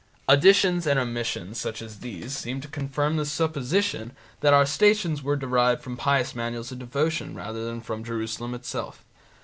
Additions and omissions such as these seem to confirm the supposition that our Stations are derived from pious manuals of devotion rather than from Jerusalem itself.